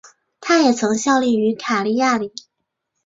他也曾效力于卡利亚里。